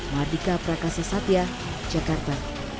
madika prakasa satya jakarta